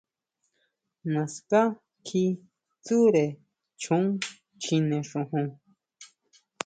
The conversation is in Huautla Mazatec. Naská kjí tsʼure choon chjine xojon.